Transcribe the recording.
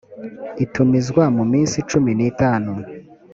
itumizwa mu minsi cumi n itanu